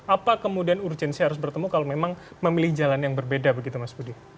apa kemudian urgensi harus bertemu kalau memang memilih jalan yang berbeda begitu mas budi